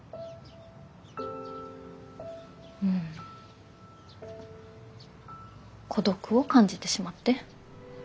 うん孤独を感じてしまって。